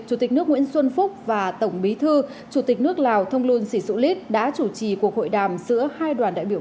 chủ tịch nước nguyễn xuân phúc và tổng bí thư chủ tịch nước lào thông luân sĩ sụ lít đã chủ trì cuộc hội đàm giữa hai đoàn đại biểu